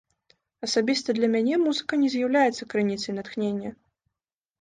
Асабіста для мяне музыка не з'яўляецца крыніцай натхнення.